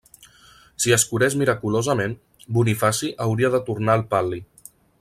Si es curés miraculosament, Bonifaci hauria de tornar el pal·li.